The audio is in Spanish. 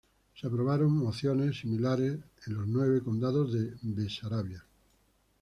Se aprobaron mociones similares en los nueve condados de Besarabia.